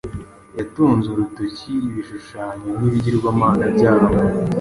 Yatunze urutoki ibishushanyo n’ibigirwamana byabo